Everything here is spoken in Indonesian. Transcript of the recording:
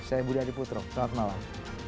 saya budi hadi putro selamat malam